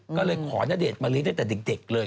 ก็เลยขอณเดชนมะลิตั้งแต่เด็กเลย